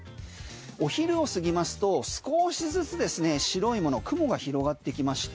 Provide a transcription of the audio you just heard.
お昼を過ぎますと少しずつですね白いもの、雲が広がってきまして